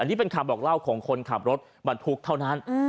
นี่เป็นคำบอกเล่าของคนขับรถบรรทุกเท่านั้น